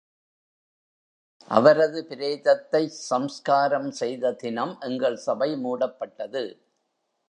அவரது பிரேதத்தைச் சம்ஸ்காரம் செய்த தினம் எங்கள் சபை மூடப்பட்டது.